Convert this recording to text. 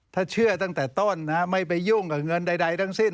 ถ้าเชื่อตั้งแต่ต้นไม่ไปยุ่งกับเงินใดทั้งสิ้น